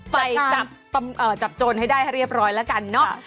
ไปจับโจรให้ได้ให้เรียบร้อยแล้วกันเนอะ